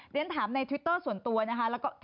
เรียนถามในทวิตเตอร์ส่วนตัวนะคะ